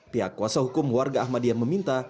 pihak kuasa hukum warga ahmadiyah meminta